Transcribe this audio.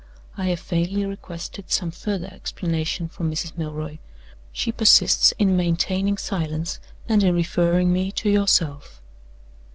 I have vainly requested some further explanation from Mrs. Milroy; she persists in maintaining silence, and in referring me to yourself.